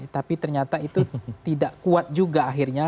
tapi ternyata itu tidak kuat juga akhirnya